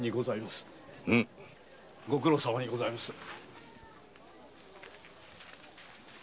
ご苦労さまでございました。